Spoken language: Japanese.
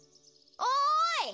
おい！